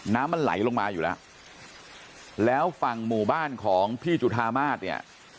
น้ำมันไหลลงมาอยู่แล้วแล้วฝั่งหมู่บ้านของพี่จุธามาศเนี่ย